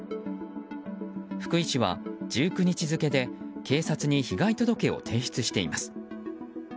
福井市は、１９日付で警察に被害届を提出しています。